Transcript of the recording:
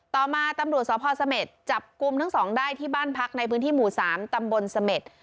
ต่อมาตำรวจสพเสม็ดจับกลุ่มทั้งสองได้ที่บ้านพักในพื้นที่หมู่๓ตำบลเสม็ด